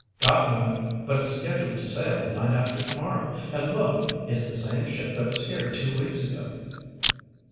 "Got one! But it's scheduled to sail night after tomorrow. And look! It's the same ship that was here two weeks ago!"